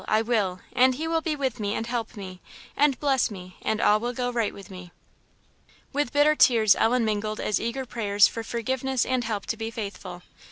I will; and he will be with me, and help me, and bless me, and all will go right with me." With bitter tears Ellen mingled as eager prayers for forgiveness and help to be faithful.